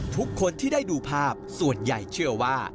ทุกคนที่ได้ดูภาพส่วนใหญ่เชื่อว่า